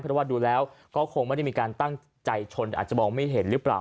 เพราะว่าดูแล้วก็คงไม่ได้มีการตั้งใจชนอาจจะมองไม่เห็นหรือเปล่า